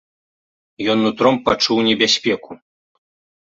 Ён нутром пачуў небяспеку.